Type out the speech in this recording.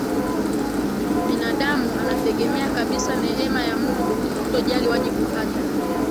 binadamu anategemea kabisa neema ya Mungu kutojali wajibu hata